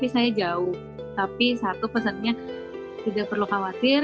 saya jauh tapi satu pesannya tidak perlu khawatir